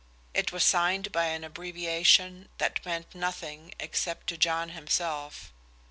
It was signed by an abbreviation that meant nothing except to John himself.